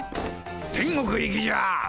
天国行きじゃ。